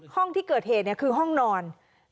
ห้องที่เกิดเหตุคือห้องนอน